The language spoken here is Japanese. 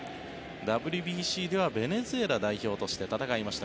ＷＢＣではベネズエラ代表として戦いました